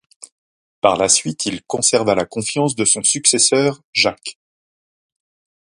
Par la suite, il conserva la confiance de son successeur, Jacques.